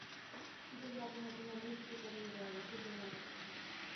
সুচন্দা আপুর মাধ্যমে আমিও সুচিত্রাকে নিজের আদর্শ হিসেবে মনে করতে থাকলাম।